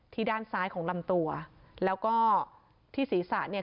ด้านซ้ายของลำตัวแล้วก็ที่ศีรษะเนี่ย